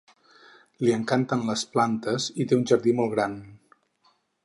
Li encanten les plantes i té un jardí molt gran.